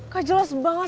gak jelas banget